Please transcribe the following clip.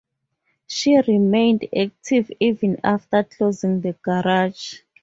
She remained active even after closing the garage.